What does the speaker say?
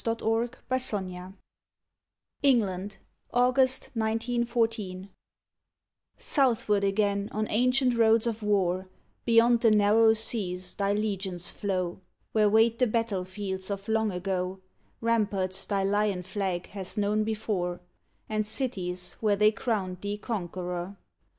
129 ON THE GREAT WAR ENGLAND, AUGUST, 1914 Southward again on ancient roads of war, Beyond the Narrow Seas thy legions flow, Where wait the battle fields of long ago, Ramparts thy lion flag hath known before, And cities where they crowned thee conqueror.